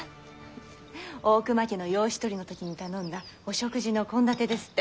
大隈家の養子取りの時に頼んだお食事の献立ですって。